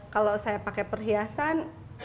kalau saya pakai perhiasan